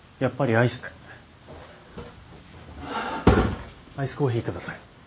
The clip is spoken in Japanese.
アイスコーヒー下さい。